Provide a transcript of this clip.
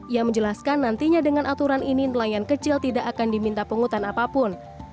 ia menjelaskan nantinya dengan aturan ini nelayan kecil tidak akan diminta penghutan apapun